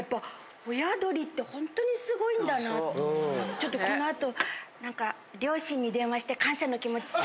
ちょっとこのあと。